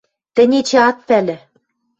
– Тӹнь эче ат пӓлӹ...